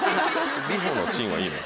里帆のチンはいいのよ。